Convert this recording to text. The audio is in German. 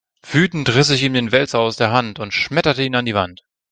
Wütend riss ich ihm den Wälzer aus der Hand und schmetterte ihn an die Wand.